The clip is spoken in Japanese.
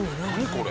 これ。